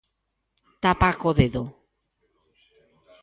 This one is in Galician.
Tápaa co dedo.